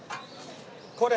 これ？